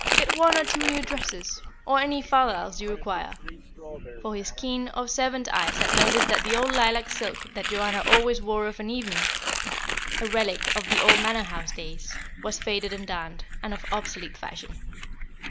Get one or two new dresses, or any fal lals you require" for his keen, observant eyes had noticed that the old lilac silk that Joanna always wore of an evening, a relic of the old Manor House days, was faded and darned, and of obsolete fashion.